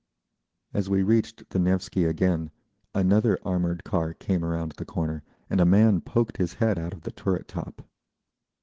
As we reached the Nevsky again another armoured car came around the corner, and a man poked his head out of the turret top.